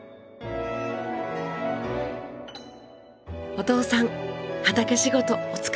お父さん畑仕事お疲れさまです。